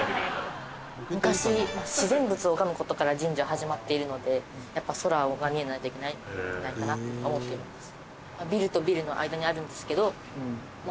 昔自然物を拝む事から神社は始まっているのでやっぱ空が見えないといけないんじゃないかなって思っています。